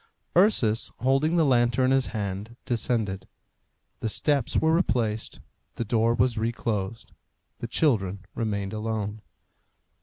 Ursus, holding the lantern in his hand, descended. The steps were replaced, the door was reclosed. The children remained alone.